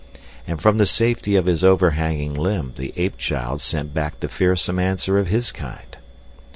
And from the safety of his overhanging limb the ape child sent back the fearsome answer of his kind.